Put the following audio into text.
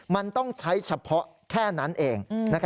มันต้องใช้เฉพาะแค่นั้นเอง